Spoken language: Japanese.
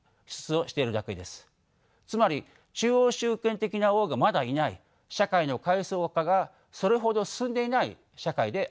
つまり中央集権的な王がまだいない社会の階層化がそれほど進んでいない社会でありました。